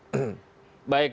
baik terima kasih pak jokowi